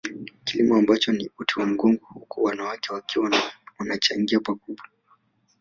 Kilimo ambacho ni uti wa mgongo huku wanawake wakiwa wanachangia pakubwa